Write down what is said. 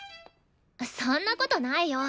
そんなことないよ！